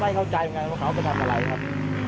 ไม่เข้าใจไงว่าเขาเอามาทำอะไรครับ